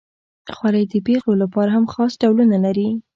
خولۍ د پیغلو لپاره هم خاص ډولونه لري.